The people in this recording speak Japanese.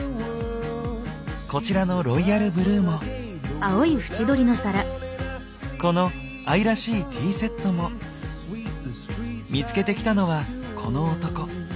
こちらのロイヤルブルーもこの愛らしいティーセットも見つけてきたのはこの男。